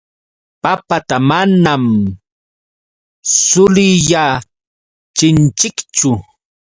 Papata manam suliyachinchikchu.